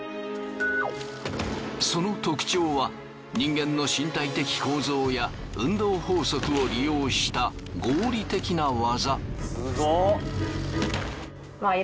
その特徴は人間の身体的構造や運動法則を利用した合理的な技。